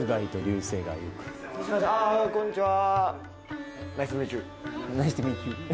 こんにちは